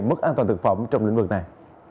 mức an toàn thực phẩm trong lĩnh vực này